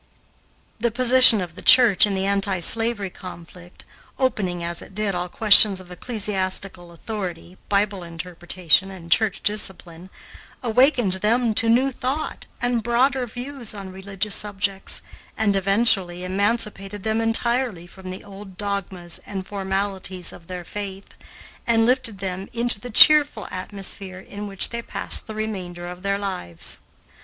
The position of the Church in the anti slavery conflict, opening as it did all questions of ecclesiastical authority, Bible interpretation, and church discipline, awakened them to new thought and broader views on religious subjects, and eventually emancipated them entirely from the old dogmas and formalities of their faith, and lifted them into the cheerful atmosphere in which they passed the remainder of their lives.